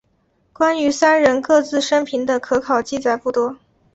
关于三人各自生平的可考记载不多。